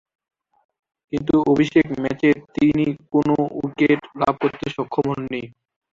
কিন্তু অভিষেক ম্যাচে তিনি কোন উইকেট লাভ করতে সক্ষম হননি।